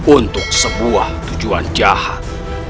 untuk sebuah tujuan jahat